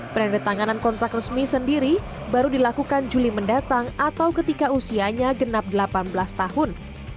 penandatanganan kontrak resmi sendiri baru dilakukan juli mendatang atau ketika usianya genap delapan belas tahun